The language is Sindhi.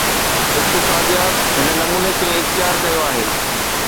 اقتصاديات هن نموني کي اختيار ڪيو آهي.